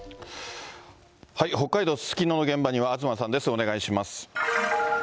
北海道すすきのの現場には東さんです、お願いします。